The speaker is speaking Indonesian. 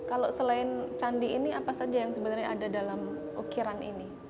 kalau selain candi ini apa saja yang sebenarnya ada dalam ukiran ini